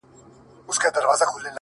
ځوان لگيا دی ـ